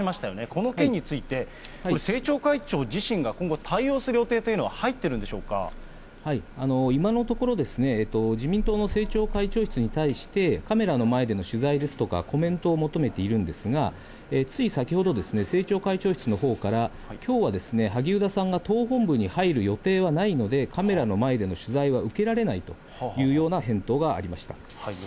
この件について、政調会長自身が今後、対応する予定というのは入今のところ、自民党の政調会長室に対して、カメラの前での取材ですとか、コメントを求めているんですが、つい先ほど、政調会長室のほうから、きょうは萩生田さんが党本部に入る予定はないので、カメラの前での取材は受けられないというような返答がありました。